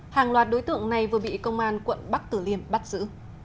hàng loạt đối tượng này vừa bị công an quận bắc tử liêm bắt giữ